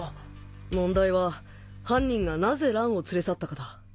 問題は犯人がなぜ蘭を連れ去ったかだ